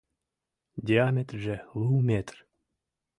Диаметрже лу метр.